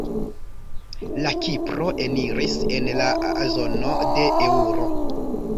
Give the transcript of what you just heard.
La Kipro eniris en la zono de eŭro.